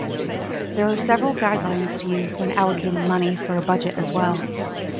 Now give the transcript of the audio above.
There are several guidelines to use when allocating money for a budget as well.